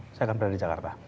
saya akan berada di jakarta